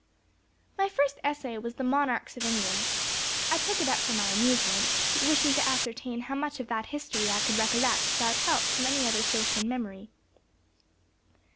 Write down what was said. My first essay, was The Monarchs of England. I took it up for my amusement, wishing to ascertain how much of that history I could recollect without help from any other source than memory.